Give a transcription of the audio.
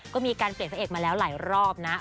ก็มีการเปลี่ยนพระเอกมาแล้วหลายรอบนะ